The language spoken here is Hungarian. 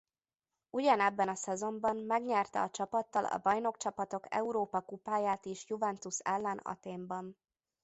Ugyan ebben a szezonban megnyerte a csapattal a bajnokcsapatok Európa-kupáját is Juventus ellen Athénban.